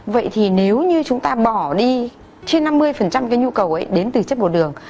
vậy thì nếu như chúng ta bỏ đi trên năm mươi cái nhu cầu ấy đến từ chất bột đường